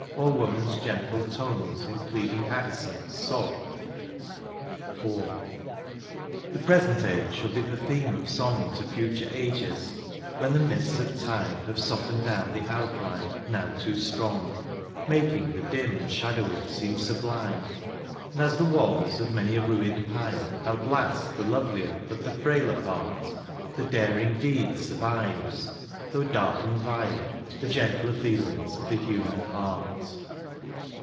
Or woman's gentle tones in pleading accents soft. THE PAST. 117 IV. The present age shall be the theme of song To future ages — ^when the mists of time Have softened down the outline now too strongs Making the dim and shadowy seem sublime : And as the walls of many a ruined pile Outlast the lovelier but the frailer part^ The daring deed survives^ though dark and vile^ The gentler feelings of the human heart.